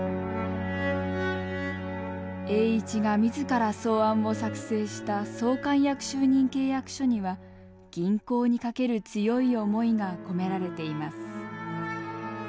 栄一が自ら草案を作成した総監役就任契約書には銀行にかける強い思いが込められています。